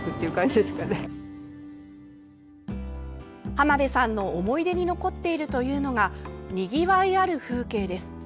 浜辺さんの思い出に残っているというのがにぎわいある風景です。